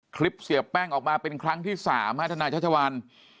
คลิปเสียแป้งออกมาเป็นครั้งที่๓ท่านท่านายชาวชาวาล